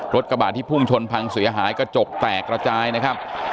กระบาดที่พุ่งชนพังเสียหายกระจกแตกระจายนะครับ